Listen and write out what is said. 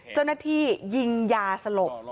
เจ้าหน้าที่ยิงยาสลบ